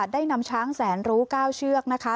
ได้นำช้างแสนรู้๙เชือกนะคะ